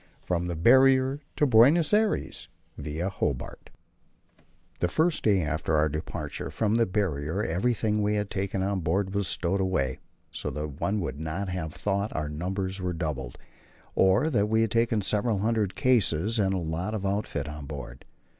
From the Barrier to Buenos Aires, Via Hobart. The first day after our departure from the Barrier everything we had taken on board was stowed away, so that one would not have thought our numbers were doubled, or that we had taken several hundred cases and a lot of outfit on board.